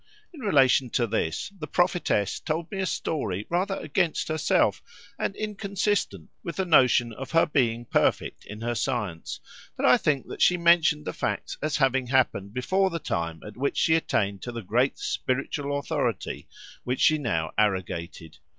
In relation to this, the prophetess told me a story rather against herself, and inconsistent with the notion of her being perfect in her science; but I think that she mentioned the facts as having happened before the time at which she attained to the great spiritual authority which she now arrogated.